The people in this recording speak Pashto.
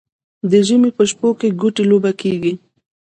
د ژمي په شپو کې ګوتې لوبه کیږي.